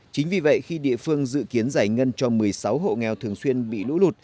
chính vì vậy khi địa phương dự kiến giải ngân cho một mươi sáu hộ nghèo thường xuyên bị lũ lụt